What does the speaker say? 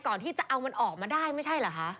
ก่อนที่จะเอามันออกมาได้ไม่ใช่เหรอคะ